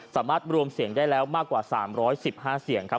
สามารถรวมเสียงได้แล้วมากกว่า๓๑๕เสียงครับ